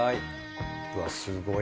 うわっすごい。